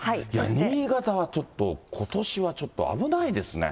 新潟はことしはちょっと危ないですね。